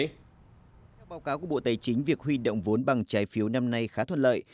báo cáo của bộ tài chính việc huy động vốn bằng trái phiếu năm nay khá thuận lợi